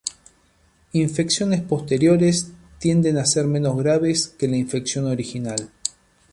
Infecciones posteriores tienden a ser menos graves que la infección original.